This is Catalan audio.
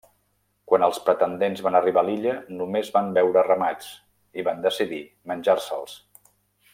Quan els pretendents van arribar a l'illa només van veure ramats, i van decidir menjar-se'ls.